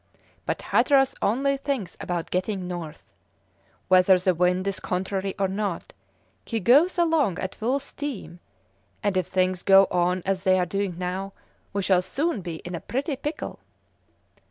But Hatteras only thinks about getting north. Whether the wind is contrary or not, he goes along at full steam, and if things go on as they are doing now, we shall soon be in a pretty pickle."